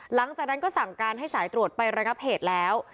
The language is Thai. หลังจากนั้นก็สั่งการให้สายตรวจไประงับเหตุแล้ว